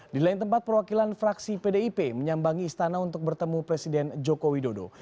di lain tempat perwakilan fraksi pdip menyambangi istana untuk bertemu presiden joko widodo